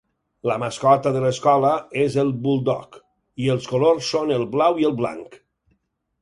La mascota de l'escola és el Bulldog, i els colors són el blau i el blanc.